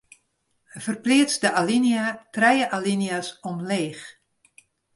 Ferpleats de alinea trije alinea's omleech.